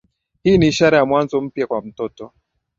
Hii ni ishara ya mwanzo mpya kwa mtoto